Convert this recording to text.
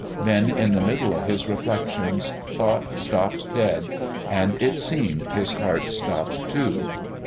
Then, in the middle of his reflections, thought stopped dead, and it seemed his heart stopped too.